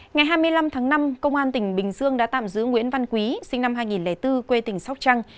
ngày hai mươi năm tháng năm công an tỉnh bình dương đã tạm giữ nguyễn văn quý sinh năm hai nghìn bốn quê tỉnh sóc trăng